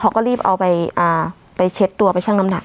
เขาก็รีบเอาไปเช็ดตัวไปชั่งน้ำหนัก